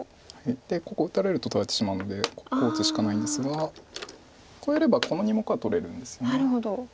でここ打たれると取られてしまうのでここを打つしかないんですがこうやればこの２目は取れるんですよね。